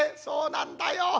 「そうなんだよ。